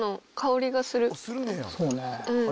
そうね。